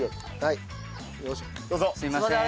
すいません。